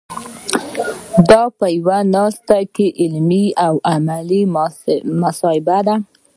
دا په یوه ناسته کې عملي او علمي مباحثه ده.